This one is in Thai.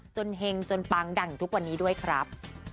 เฮงจนปังดังทุกวันนี้ด้วยครับ